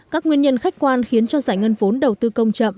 các nguyên nhân khách quan khiến cho giải ngân vốn đầu tư công chậm